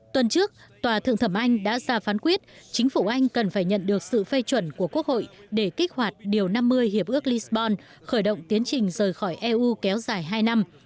tuần trước tòa thượng thẩm anh đã ra phán quyết chính phủ anh cần phải nhận được sự phê chuẩn của quốc hội để kích hoạt điều năm mươi hiệp ước lisbon khởi động tiến trình rời khỏi eu kéo dài hai năm